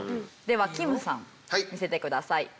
ではきむさん見せてください。